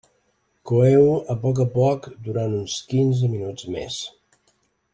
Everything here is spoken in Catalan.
Coeu-ho a poc a poc durant uns quinze minuts més.